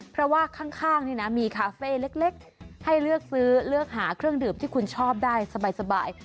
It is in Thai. เพราะว่าข้างนี่นะมีคาเฟ่เล็กให้เลือกซื้อเลือกหาเครื่องดื่มที่คุณชอบได้สบาย